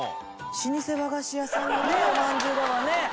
老舗和菓子屋さんのねおまんじゅうだわね。